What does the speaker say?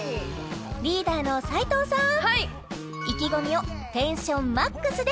リーダーの斉藤さん